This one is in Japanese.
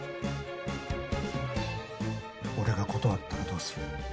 俺が断ったらどうする？